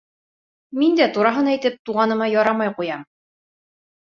Мин дә тураһын әйтеп, туғаныма ярамай ҡуям.